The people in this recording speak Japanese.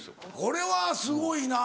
これはすごいな。